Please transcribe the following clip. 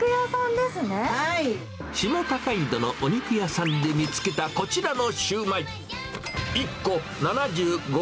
下高井戸のお肉屋さんで見つけたこちらのシューマイ。